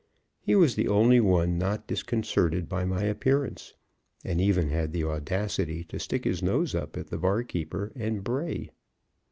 He was the only one not disconcerted by my appearance, and even had the audacity to stick his nose up at the bar keeper and bray.